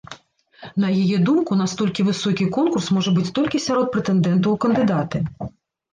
На яе думку, настолькі высокі конкурс можа быць толькі сярод прэтэндэнтаў у кандыдаты.